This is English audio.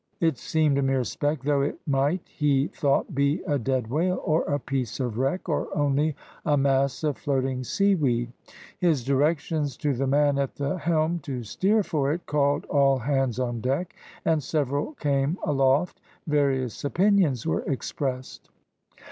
It seemed a mere speck, though it might, he thought, be a dead whale, or a piece of wreck, or only a mass of floating seaweed. His directions to the man at the helm to steer for it called all hands on deck, and several came aloft various opinions were expressed.